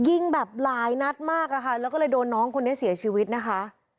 ยิงแบบหลายนัดมากอะค่ะแล้วก็เลยโดนน้องคนนี้เสียชีวิตนะคะ